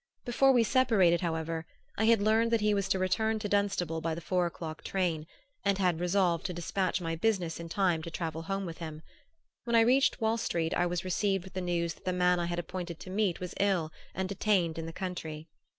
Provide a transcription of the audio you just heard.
Before we separated, however, I had learned that he was returning to Dunstable by the four o'clock train, and had resolved to despatch my business in time to travel home with him. When I reached Wall Street I was received with the news that the man I had appointed to meet was ill and detained in the country.